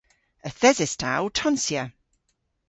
Yth eses ta ow tonsya.